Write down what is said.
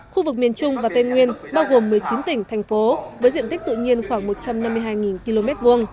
khu vực miền trung và tây nguyên bao gồm một mươi chín tỉnh thành phố với diện tích tự nhiên khoảng một trăm năm mươi hai km hai